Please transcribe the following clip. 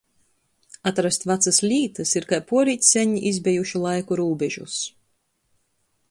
Atrast vacys lītys ir kai puorīt seņ izbejušu laiku rūbežus.